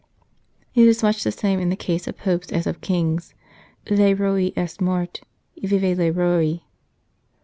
It is much the same in the case of Popes as of Kings :" Le Roi est mort ! Vive le Roi